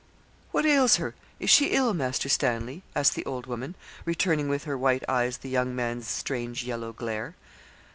'What ails her is she ill, Master Stanley?' asked the old woman, returning with her white eyes the young man's strange yellow glare.